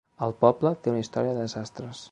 El poble té una història de desastres.